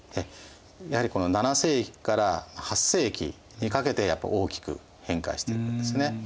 やはり７世紀から８世紀にかけて大きく変化していくんですね。